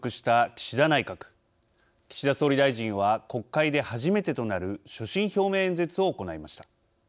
岸田総理大臣は国会で初めてとなる所信表明演説を行いました。